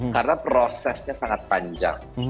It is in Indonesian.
karena prosesnya sangat panjang